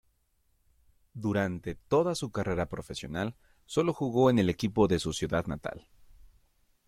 Durante toda su carrera profesional sólo jugó en el equipo de su ciudad natal.